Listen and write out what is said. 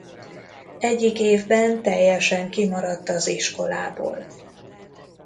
Egyik évben teljesen kimaradt az iskolából.